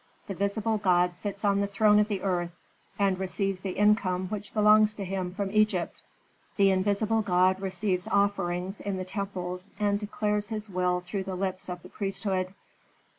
The visible god sits on the throne of the earth and receives the income which belongs to him from Egypt; the invisible god receives offerings in the temples, and declares his will through the lips of the priesthood."